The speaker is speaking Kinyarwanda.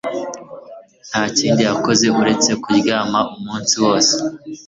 Nta kindi yakoze uretse kuryama umunsi wose